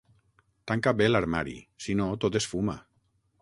Tanca bé l'armari: si no, tot es fuma.